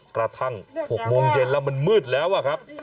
กระทั่ง๖โมงเย็นแล้วมันมืดแล้วอะครับ